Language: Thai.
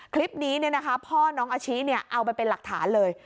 คลิปนี้เนี่ยนะคะพ่อน้องอาชี้เนี่ยเอาไปเป็นหลักฐานเลย